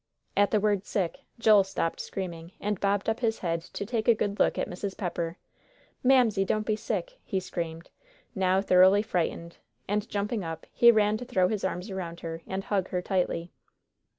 At the word "sick," Joel stopped screaming, and bobbed up his head to take a good look at Mrs. Pepper. "Mamsie, don't be sick," he screamed, now thoroughly frightened. And jumping up, he ran to throw his arms around her, and hug her tightly.